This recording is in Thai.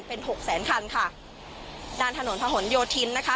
เป็นหกแสนคันค่ะด้านถนนผนโยธินนะคะ